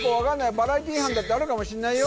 バラエティー班だってあるかもしんないよ